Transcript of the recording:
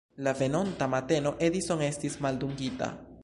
La venonta mateno Edison estis maldungita.